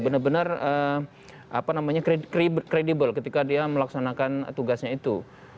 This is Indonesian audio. benar benar kredibel ketika dia melaksanakan tugasnya itu